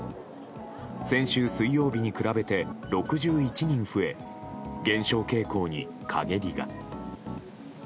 先週水曜日に比べて６１人増え減少傾向に陰りが。